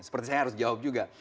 seperti saya harus jawab juga